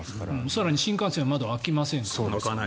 更に新幹線は窓開きませんからね。